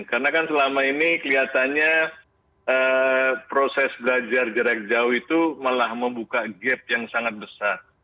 karena kan selama ini kelihatannya proses belajar jarak jauh itu malah membuka gap yang sangat besar